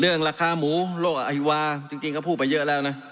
ราคาหมูโลกอฮิวาจริงก็พูดไปเยอะแล้วนะ